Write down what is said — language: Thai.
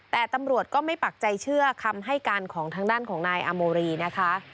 แต่ตำรวจก็ไม่ปักใจเชื่อคำให้การของทางด้านของนายอาโมรีนะคะ